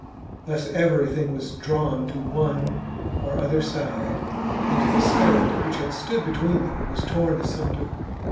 Thus everything was drawn to one or other side, and the state, which had stood between them, was torn asunder.